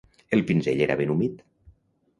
El pinzell era ben humit